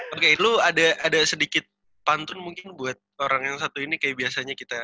oke lu ada sedikit pantun mungkin buat orang yang satu ini kayak biasanya kita